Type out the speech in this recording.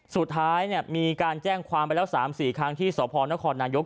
สุดท้ายมีการแจ้งความไปแล้ว๓๔ครั้งที่สพนครนายก